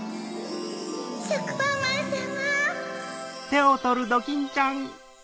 しょくぱんまんさま。